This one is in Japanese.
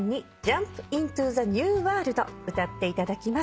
歌っていただきます。